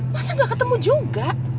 masa gak ketemu juga